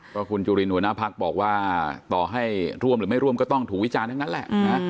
ก็คุณจุลินหัวหน้าพักบอกว่าต่อให้ร่วมหรือไม่ร่วมก็ต้องถูกวิจารณ์ทั้งนั้นแหละนะ